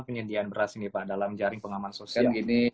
penyediaan beras ini pak dalam jaring pengaman sosial